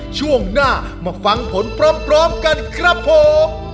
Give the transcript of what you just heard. ช่วงหน้ามาฟังผลพร้อมกันครับผม